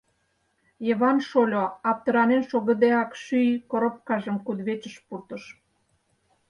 Йыван шольо, аптыранен шогыдеак, шӱй коропкажым кудывечыш пуртыш.